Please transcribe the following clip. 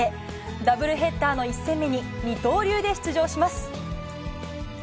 ダブルヘッダーの１戦目に、二刀流で出場します。